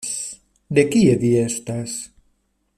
De kie vi estas?